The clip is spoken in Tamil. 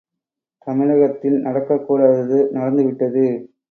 தமிழகத்தில் நடக்கக் கூடாதது நடந்து விட்டது.